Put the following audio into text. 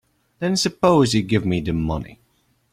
Then suppose you give me the money.